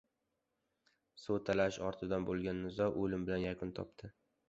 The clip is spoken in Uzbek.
Suv talashish ortidan bo‘lgan nizo o‘lim bilan yakun topdi